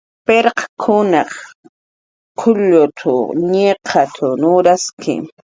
"Pirqkunaq k""ullut""a, ñiqat"" nurasli"